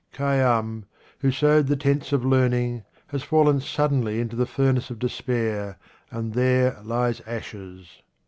Khayyam, who sewed the tents of learning, has fallen suddenly into the furnace of despair, and there lies ashes.